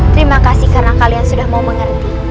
terima kasih karena kalian sudah mau mengerti